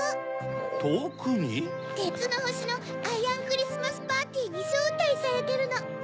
てつのほしのアイアンクリスマスパーティーにしょうたいされてるの。